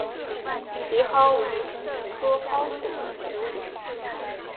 奇蒿为菊科蒿属的植物。